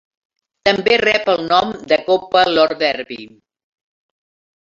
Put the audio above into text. També rep el nom de Copa Lord Derby.